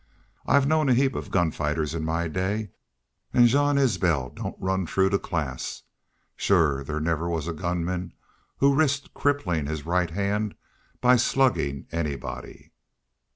I've known a heap of gun fighters in my day. An' Jean Isbel don't ran true to class. Shore there never was a gunman who'd risk cripplin' his right hand by sluggin' anybody."